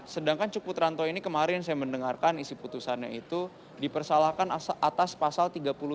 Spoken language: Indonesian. sedangkan cuk putranto ini kemarin saya mendengarkan isi putusannya itu dipersalahkan atas pasal tiga puluh tujuh